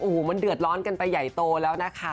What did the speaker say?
โอ้โหมันเดือดร้อนกันไปใหญ่โตแล้วนะคะ